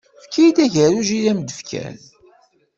Efk-iyi-d agerruj i am-d-fkan.